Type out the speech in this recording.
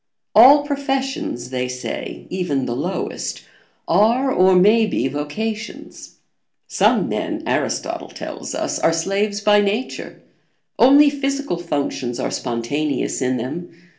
All professions, they say, even the lowest, are or may be vocations. Some men, Aristotle tells us, are slaves by nature; only physical functions are spontaneous in them.